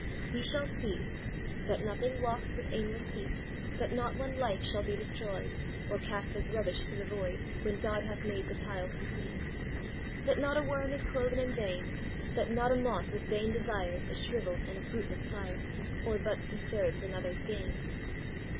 We shall see That nothing walks with aimless feet; That not one life shall be destroyed, Or cast as rubbish to the void, When God hath made the pile complete; That not a worm is cloven in vain; That not a moth with vain desire Is shrivelled in a fruitless fire, Or but subserves another's gain.